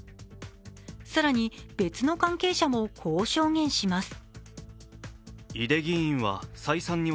更に、別の関係者もこう証言します。